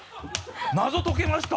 「謎解けました！